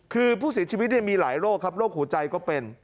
คือผู้เสียชีวิตมีหลายโรคครับโรคหัวใจก็เป็น